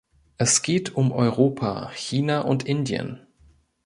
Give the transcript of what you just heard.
Es geht um Europa, China und Indien.